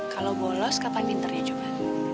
kalau bolos kapan pinternya juga